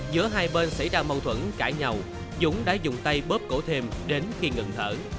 giữa hai bên xảy ra mâu thuẫn cãi nhau dũng đã dùng tay bóp cổ thêm đến khi ngừng thở